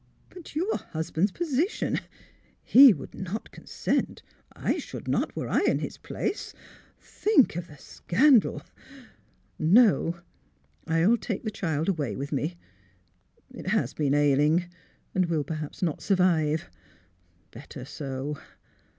"'' But — your husband's position — he would not consent. I should not, were I in his place. Think of the — scandal. No. I will take the child away with me. It has been ailing and will, perhajos, not survive. ... Better so."